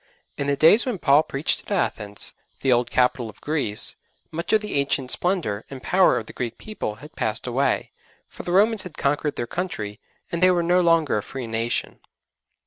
In the days when Paul preached at Athens, the old capital of Greece, much of the ancient splendour and power of the Greek people had passed away, for the Romans had conquered their country, and they were no longer a free nation.